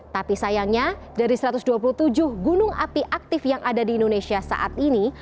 tapi sayangnya dari satu ratus dua puluh tujuh gunung api aktif yang ada di indonesia saat ini